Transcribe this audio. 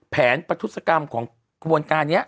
แผนประทุศกรรมของกระบวนการนี้